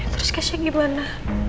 terus keisha gimana